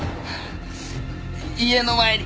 家の前に。